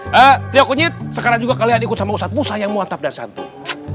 hah trio kunyit sekarang juga kalian ikut sama ustadz musa yang mantap dan santuy